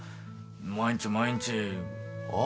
毎日毎日ああ